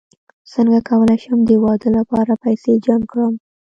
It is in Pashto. څنګه کولی شم د واده لپاره پیسې جمع کړم